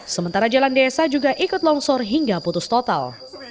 sementara jalan desa juga ikut longsor hingga putus total